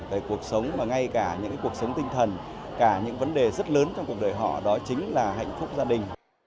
về cuộc sống mà ngay cả những cuộc sống tinh thần cả những vấn đề rất lớn trong cuộc đời họ đó chính là hạnh phúc gia đình